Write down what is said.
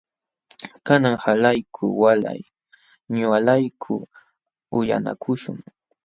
Kanan qamlayku walay ñuqalayku uyanakuśhun.